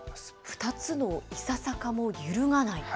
２つのいささかも揺るがない。